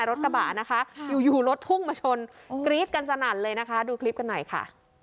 รถกระบะนะคะอยู่อยู่รถพุ่งมาชนกรี๊ดกันสนั่นเลยนะคะดูคลิปกันหน่อยค่ะ